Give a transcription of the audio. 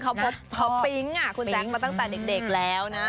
เค้าพบปริ้งล์อ่ะมาตั้งแต่เด็กแหล่วนะ